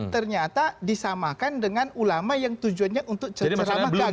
ternyata disamakan dengan ulama yang tujuannya untuk ceramah keagamaan